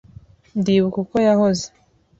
Ndibuka uko yahoze.